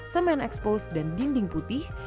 semen expose dan dinding putih